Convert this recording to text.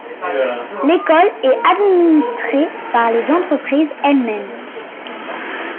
L'école est administrée par les entreprises elles-mêmes.